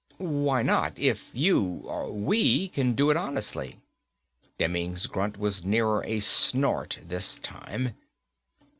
"Why not, if you or we can do it honestly?" Demming's grunt was nearer a snort this time.